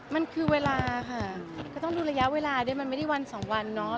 มันคือเวลาค่ะก็ต้องดูระยะเวลาด้วยมันไม่ได้วันสองวันเนาะ